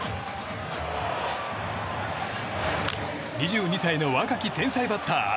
２２歳の若き天才バッター。